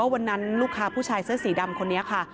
วันนั้นลูกค้าผู้ชายเสื้อสีดำคนนี้ค่ะ